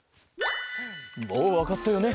もうわかったよね？